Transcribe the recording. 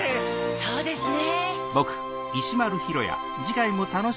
そうですね。